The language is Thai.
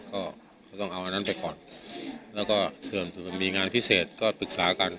ก็ต้องเอาอันนั้นไปก่อนแล้วก็เชิญถึงมีงานพิเศษก็ปรึกษากัน